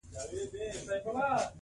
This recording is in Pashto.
هغه وخت